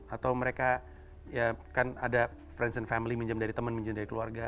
atau mereka ya kan ada friends and family pinjam dari teman pinjam dari keluarga